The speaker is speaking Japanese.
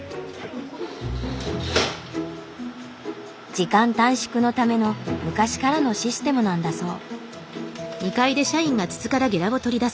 時間短縮のための昔からのシステムなんだそう。